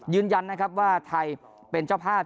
ยืนยันนะครับว่าไทยเป็นเจ้าภาพ